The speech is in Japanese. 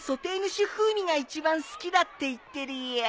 酒風味が一番好きだって言ってるよ。